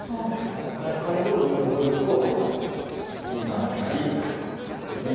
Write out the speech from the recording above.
仮に同銀と取ると２三歩成６二